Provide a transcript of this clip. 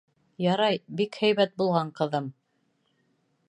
— Ярай, бик һәйбәт булған, ҡыҙым.